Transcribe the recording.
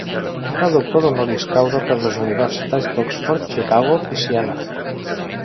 Era doctor honoris causa per les universitats d'Oxford, Chicago i Siena.